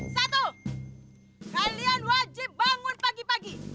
satu kalian wajib bangun pagi pagi